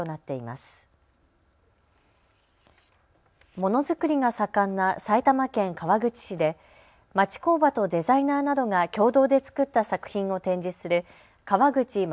ものづくりが盛んな埼玉県川口市で町工場とデザイナーなどが共同で作った作品を展示する川口ま